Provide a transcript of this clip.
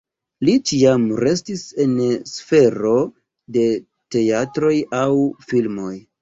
Li ĉiam restis en sfero de teatroj aŭ filmoj.